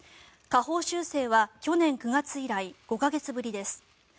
下方修正は去年９月以来５か月ぶりです。